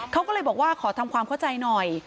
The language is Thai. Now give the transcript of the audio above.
เขาก็เลยบอกว่าขอทำความเข้าใจหน่อย